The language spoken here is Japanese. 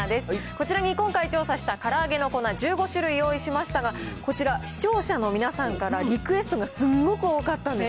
こちらに今回、調査したから揚げの粉１５種類用意しましたが、こちら、視聴者の皆さんからリクエストがすんごく多かったんです。